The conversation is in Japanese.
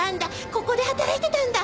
ここで働いてたんだ。